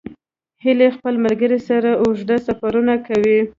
هیلۍ خپل ملګري سره اوږده سفرونه کوي